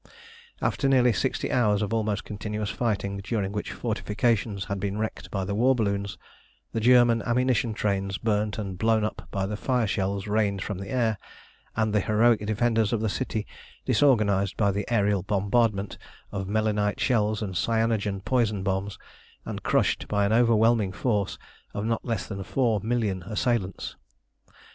After nearly sixty hours of almost continuous fighting, during which the fortifications had been wrecked by the war balloons, the German ammunition trains burnt and blown up by the fire shells rained from the air, and the heroic defenders of the city disorganised by the aërial bombardment of melinite shells and cyanogen poison bombs, and crushed by an overwhelming force of not less than four million assailants.